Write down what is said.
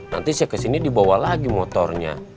nanti saya kesini dibawa lagi motornya